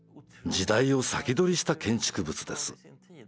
時代を先取りした建築物です。